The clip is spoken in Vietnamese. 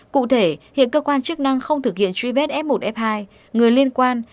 cụ thể hiện cơ quan chức năng không thực hiện truy vết f một f hai người liên quan